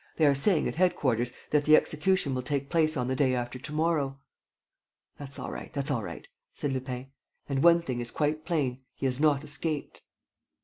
They are saying, at headquarters, that the execution will take place on the day after to morrow." "That's all right, that's all right," said Lupin. "And one thing is quite plain: he has not escaped."